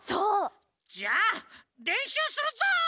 じゃあれんしゅうするぞ！